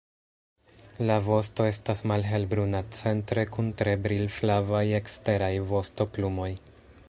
La vosto estas malhelbruna centre kun tre brilflavaj eksteraj vostoplumoj.